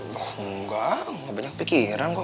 bang enggak gak banyak pikiran kok